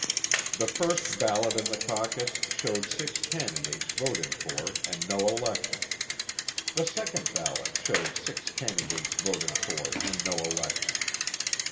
The first ballot in the caucus showed six candidates voted for and no election. The second ballot showed six candidates voted for and no election.